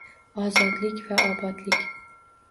Ozodlik va obodlik